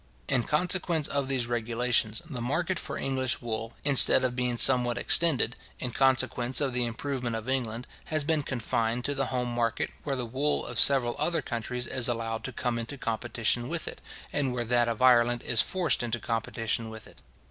In consequence of these regulations, the market for English wool, instead of being somewhat extended, in consequence of the improvement of England, has been confined to the home market, where the wool of several other countries is allowed to come into competition with it, and where that of Ireland is forced into competition with it.